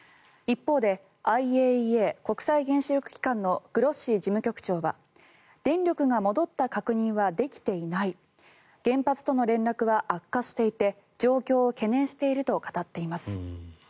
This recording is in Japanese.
一方でＩＡＥＡ・国際原子力機関のグロッシ事務局長は電力が戻った確認はできていない原発との連絡は悪化していて状況を懸念していると語っています。